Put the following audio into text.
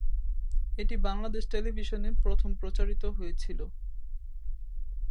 এটি বাংলাদেশ টেলিভিশনে প্রথম প্রচারিত হয়েছিল।